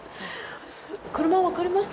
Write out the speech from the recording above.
車分かりました？